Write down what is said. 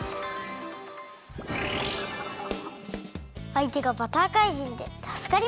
あいてがバターかいじんでたすかりましたね！